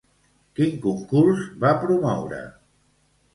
Quin concurs va promoure?